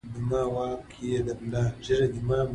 ـ ږيره دما، واک يې د ملا.